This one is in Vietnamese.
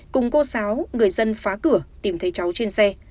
cùng cô giáo người dân phá cửa tìm thấy cháu trên xe